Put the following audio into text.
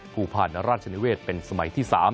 ภูพานราชนิเวศเป็นสมัยที่๓